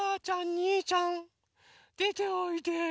にーちゃんでておいで。